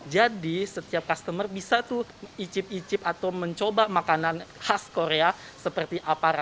jadi setiap customer bisa icip icip atau mencoba makanan khas korea seperti apa rasanya